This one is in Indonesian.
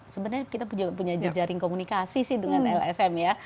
sebenarnya kita punya jejaring komunikasi sih dengan lsm ya